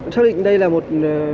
chắc định đây là một